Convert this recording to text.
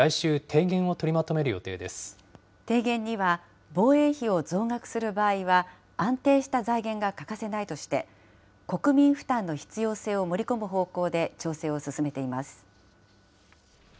提言には、防衛費を増額する場合は、安定した財源が欠かせないとして、国民負担の必要性を盛り込む方向で調整を進めています。